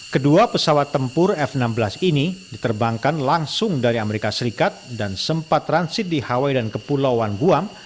kedua pesawat tempur f enam belas ini diterbangkan langsung dari amerika serikat dan sempat transit di hawai dan kepulauan buang